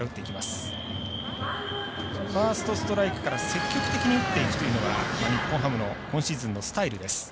ファーストストライクから積極的に打っていくというのが日本ハムの今シーズンのスタイルです。